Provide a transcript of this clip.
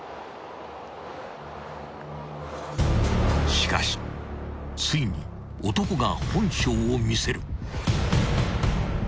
［しかしついに男が本性を見せる］